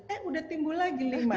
eh udah timbul lagi nih